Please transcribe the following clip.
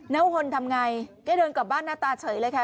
พลทำไงแกเดินกลับบ้านหน้าตาเฉยเลยค่ะ